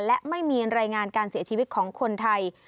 และไม่มีรายงานการเสียชีวิตของคนไทย